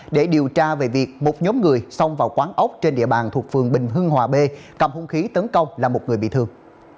để điều tra về việc một nhóm người xông vào quán ốc trên địa bàn thuộc phường bình hưng hòa b cầm hung khí tấn công là một người bị thương